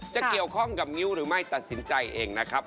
จะเกี่ยวข้องกับนิ้วหรือไม่ตัดสินใจเองนะครับ